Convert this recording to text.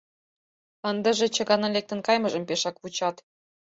Ындыже чыганын лектын кайымыжым пешак вучат.